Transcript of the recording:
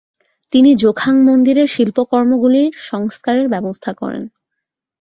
তিনি জোখাং মন্দিরের শিল্পকর্মগুলির সংস্কারের ব্যবস্থা করেন।